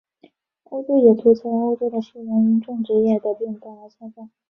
欧洲野兔在欧洲的数量因种植业的变更而下降。